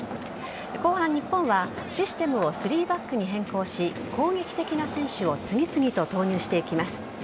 後半、日本はシステムを３バックに変更し攻撃的な選手を次々と投入していきます。